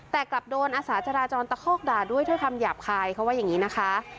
แต่กลับโดนอาสาจราจรตะคอกด่าด้วยถ้อยคำหยาบคายเขาว่าอย่างนี้นะคะ